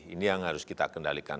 ini yang harus kita kendalikan